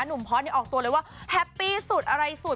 หนุ่มพอสต์ออกตัวเลยว่าแฮปปี้สุดอะไรสุด